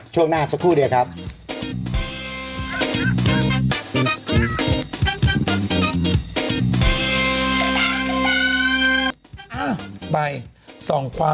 ช่วงหน้าสกุลเดียวครับ